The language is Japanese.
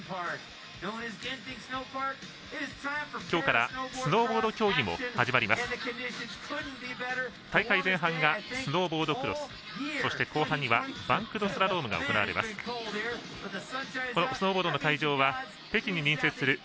今日からスノーボード競技も始まります。